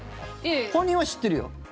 本人は知ってるよ。